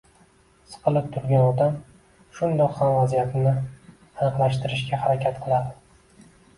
Siqilib turgan odam shundoq ham vaziyatini aniqlashtirishga harakat qiladi.